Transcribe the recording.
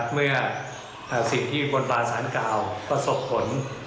เมื่อสิ่งที่บนบานสารกล่าวประสบผล